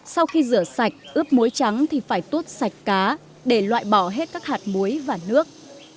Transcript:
sau khi rửa sạch ướp muối trắng thì phải tuốt sạch cá để loại bỏ hết các hạt muối và nước